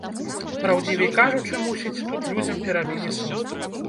Праўдзівей кажучы, мусіць, тут людзям перабілі сон.